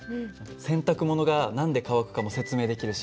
洗濯物が何で乾くかも説明できるし。